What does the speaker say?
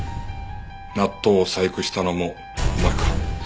納豆を細工したのもお前か？